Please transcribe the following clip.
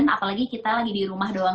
apalagi kita lagi di rumah doang